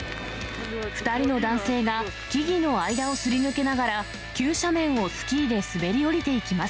２人の男性が木々の間をすり抜けながら、急斜面をスキーで滑り降りていきます。